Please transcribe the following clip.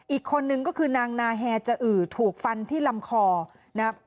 อีกคนนึงก็คือนางนาแฮจะอือถูกฟันที่ลำคอนะครับ